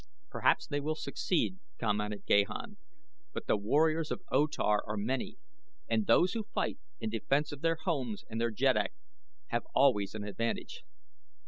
"Perhaps they will succeed," commented Gahan; "but the warriors of O Tar are many, and those who fight in defense of their homes and their jeddak have always an advantage.